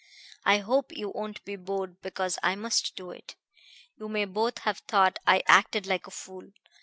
I hope you won't be bored, because I must do it. You may both have thought I acted like a fool.